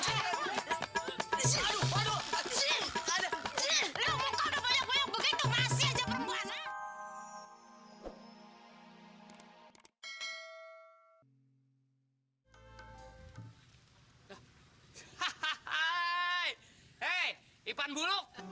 hahaha hei ipan buluk